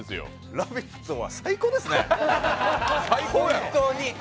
「ラヴィット！」は最高ですね、本当に。